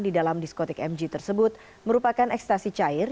di dalam diskotik mg tersebut merupakan ekstasi cair